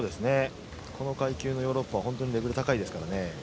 この階級のヨーロッパは本当にレベル高いですからね。